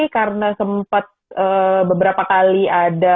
karena sempat beberapa kali ada